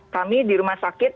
kami di rumah sakit